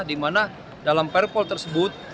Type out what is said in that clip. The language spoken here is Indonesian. di mana dalam parpol tersebut